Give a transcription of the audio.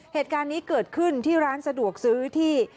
เหตุการณ์นี้เกิดขึ้นที่ร้านสะดวกซื้อที่